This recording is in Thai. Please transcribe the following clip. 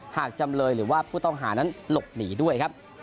จำเลยหรือว่าผู้ต้องหานั้นหลบหนีด้วยครับ